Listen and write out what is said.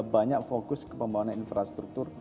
banyak fokus ke pembangunan infrastruktur